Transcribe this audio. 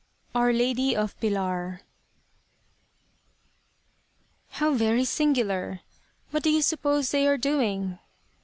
"OUR LADY OF PILAR" "How very singular! What do you suppose they are doing?"